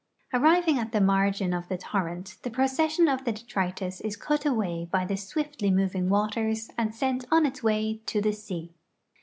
Arriving at the margin of the torrent? the procession of the detritus is cut ayvay by the syviftly moving yvaters and sent on its yvay to the sea.